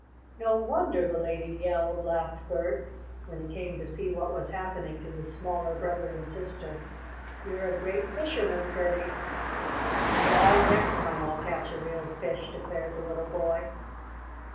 "No wonder the lady yelled!" laughed Bert when he came to see what was happening to his smaller brother and sister. "You're a great fisherman, Freddie." "Well, next time I'll catch a real fish," declared the little boy.